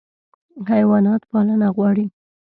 حیوانات پالنه غواړي.